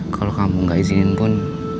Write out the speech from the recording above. kalau kamu nggak izinin pun